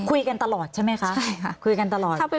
คุยกันตลอดใช่ไหมคะคุยกันตลอดใช่ครับ